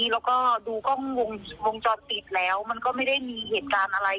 แล้วก็ดูกล้องวงจรปิดแล้วมันก็ไม่ได้มีเหตุการณ์อะไร